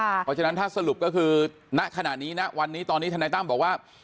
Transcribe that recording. เพราะฉะนั้นถ้าสรุปก็คือณขณะนี้นะวันนี้ตอนนี้ทนายตั้มบอกว่า